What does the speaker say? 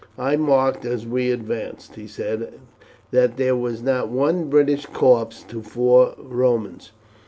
"I marked as we advanced," he said, "that there was not one British corpse to four Romans.